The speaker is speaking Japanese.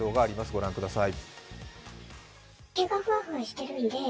ご覧ください。